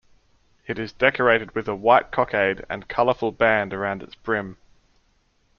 It is decorated with a white cockade and colourful band around its brim.